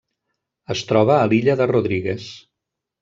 Es troba a l'Illa de Rodrigues.